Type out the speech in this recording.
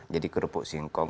jadi kerupuk singkong